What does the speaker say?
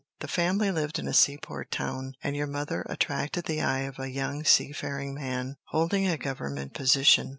The family lived in a seaport town, and your mother attracted the eye of a young seafaring man, holding a government position.